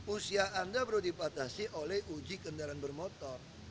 usia anda perlu dipatasi oleh uji kendaraan bermotor